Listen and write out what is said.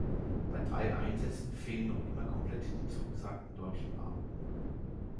Bei drei Einsätzen fehlen noch immer komplett die zugesagten deutschen Beamten.